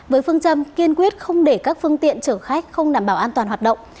với phương châm kiên quyết không để các phương tiện chở khách không đảm bảo an toàn hoạt động